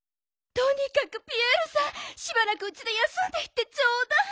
とにかくピエールさんしばらくうちで休んでいってちょうだい。